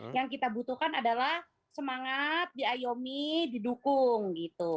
dan yang keempat yang kita lakukan adalah semangat diayomi didukung gitu